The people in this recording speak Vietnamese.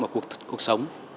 vào cuộc cuộc sống